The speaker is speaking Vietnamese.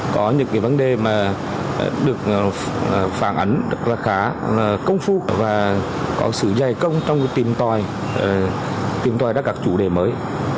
có những vấn đề được phản ảnh khá công phu và có sự dày công trong tìm tòi các chủ đề mới